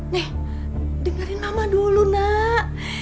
neng dengerin mama dulu nak